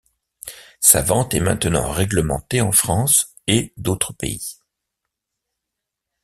Sa vente est maintenant réglementée en France et d'autres pays.